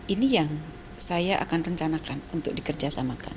ini yang saya akan rencanakan untuk dikerjasamakan